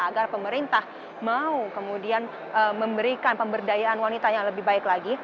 agar pemerintah mau kemudian memberikan pemberdayaan wanita yang lebih baik lagi